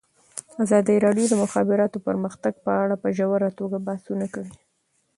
ازادي راډیو د د مخابراتو پرمختګ په اړه په ژوره توګه بحثونه کړي.